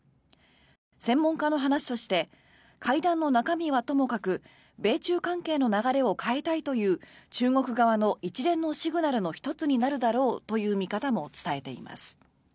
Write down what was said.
専門家の話として会談の中身はともかく米中関係の流れを変えたいという中国側の一連のシグナルの１つになるだろうという見方も伝えています。